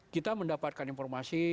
kita mendapatkan informasi